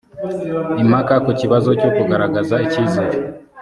impaka ku kibazo cyo kugaragaza icyizere